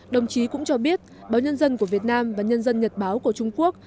đồng chí cũng cho biết báo nhân dân của việt nam và nhân dân nhật báo của trung quốc